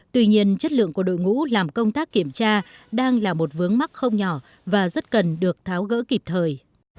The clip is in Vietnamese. tuy nhiên chất lượng của đội ngũ làm công tác kiểm tra đang là một vướng mắc không nhỏ và rất cần được tháo gỡ kịp thời